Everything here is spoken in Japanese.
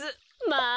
まあ。